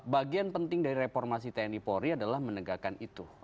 bagian penting dari reformasi tni polri adalah menegakkan itu